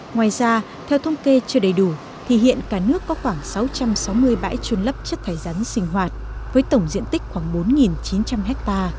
ngoài ra theo thông kê chưa đầy đủ thì hiện cả nước có khoảng sáu trăm sáu mươi bãi trôn lấp chất thải rắn sinh hoạt với tổng diện tích khoảng bốn chín trăm linh ha